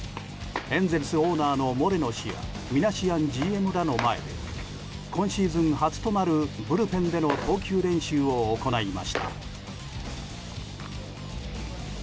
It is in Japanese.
エンゼルスオーナーのモレノ氏やミナシアンＧＭらの前で今シーズン初となるブルペンでの投球練習を行いました。